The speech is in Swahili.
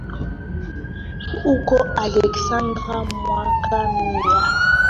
huko Aleksandria mwaka mia hamsini hivi K K Hivyo Wakristo wa